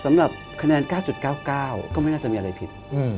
สำหรับคะแนน๙๙๙ก็ไม่น่าจะมีอะไรผิด